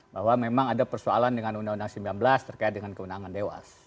bahwa memang ada persoalan dengan undang undang sembilan belas terkait dengan kewenangan dewas